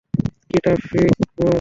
কি ট্রাফিক, বস!